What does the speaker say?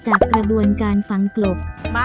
กระบวนการฟังกลบ